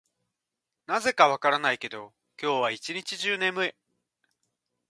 なぜか分からないけど、今日は一日中眠い。